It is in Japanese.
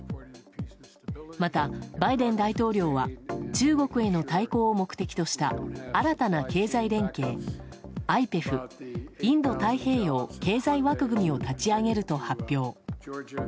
またバイデン大統領は中国への対抗を目的とした新たな経済連携、ＩＰＥＦ・インド太平洋経済枠組みを立ち上げると発表。